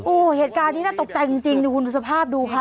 โอ้โหเหตุการณ์นี้น่าตกใจจริงดูคุณดูสภาพดูค่ะ